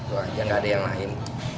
wah jangan ada yang lain